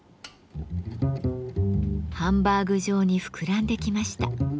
ハンバーグ状に膨らんできました。